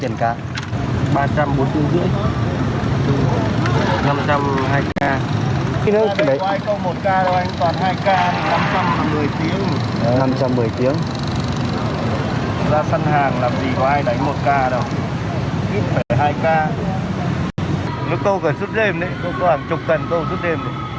nó câu cả suốt đêm đấy câu khoảng chục cần câu suốt đêm